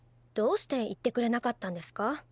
どうして言ってくれなかったんですか？